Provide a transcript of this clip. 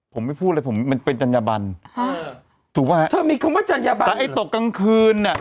ผมไม่พูดเลยผมเป็นจัญญาบันถูกปะฮะแต่ไอ้ตกกลางคืนน่ะ